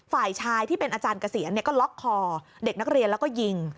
ฝ่ายชายที่เป็นอาจารย์เกษียณก็ล็อกคอเด็กนักเรียนแล้วก็ยิง